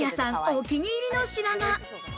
お気に入りの品が。